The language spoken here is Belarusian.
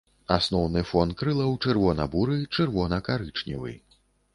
Асноўны фон крылаў чырвона-буры, чырвона-карычневы.